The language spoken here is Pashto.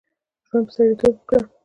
ژوند په سړیتوب وکړه.